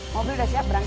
mobil udah siap berangkat